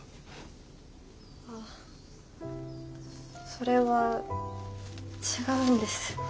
あそれは違うんです。